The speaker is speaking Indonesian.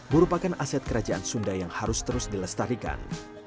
merupakan aset kerajaan sunda yang harus terus dilestarikan